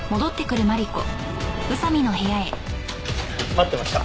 待ってました。